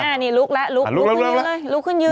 อ้านี่ลุกละลุกลุกขึ้นยืน